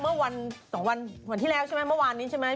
เมื่อวันที่แล้วใช่ไหมเมื่อวานนี้ใช่ไหม